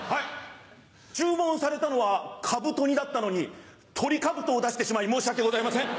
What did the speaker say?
注文されたのはかぶと煮だったのにトリカブトを出してしまい申し訳ございません。